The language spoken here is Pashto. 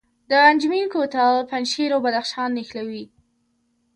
د انجمین کوتل پنجشیر او بدخشان نښلوي